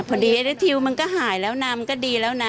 พอดีได้ทิวมันก็หายแล้วน้ำมันก็ดีแล้วนะ